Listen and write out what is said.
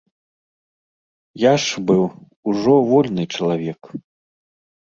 Я ж быў ужо вольны чалавек.